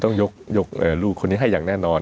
ต้องยกลูกคนนี้ให้อย่างแน่นอน